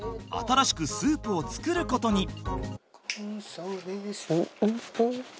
新しくスープを作ることに。